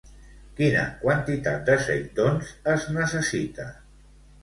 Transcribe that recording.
Quina quantitat de seitons es necessita?